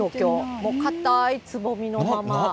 もうかたいつぼみのまま。